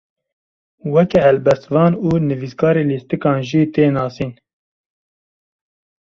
Weke helbestvan û nivîskarê lîstikan jî tê nasîn.